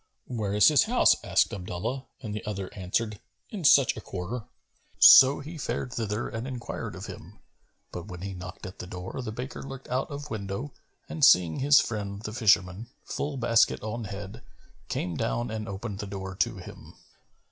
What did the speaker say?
"Where is his house?" asked Abdullah; and the other answered, "In such a quarter." So he fared thither and enquired of him; but, when he knocked at the door, the baker looked out of window and seeing his friend the fisherman, full basket on head, came down and opened the door to him.